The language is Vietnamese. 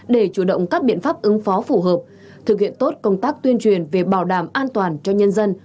để chủ động các biện pháp ứng phó phù hợp thực hiện tốt công tác tuyên truyền về bảo đảm an toàn cho nhân dân